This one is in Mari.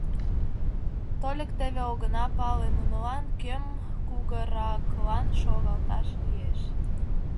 Тольык теве огына пале, нунылан кӧм кугыраклан шогалташ лиеш.